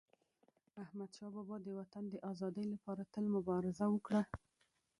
احمدشاه بابا د وطن د ازادی لپاره تل مبارزه وکړه.